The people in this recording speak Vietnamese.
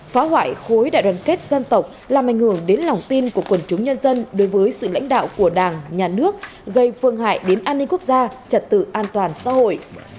phá hoại khối đại đoàn kết dân tộc làm ảnh hưởng đến lòng tin của quần chúng nhân dân đối với sự lãnh đạo của đảng nhà nước gây phương hại đến an ninh quốc gia trật tự an toàn xã hội